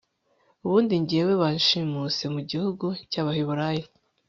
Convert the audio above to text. Ubundi jyewe banshimuse mu gihugu cy Abaheburayo